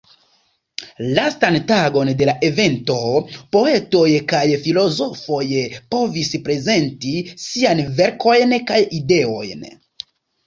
Lastan tagon de la evento poetoj kaj filozofoj povis prezenti siajn verkojn kaj ideojn.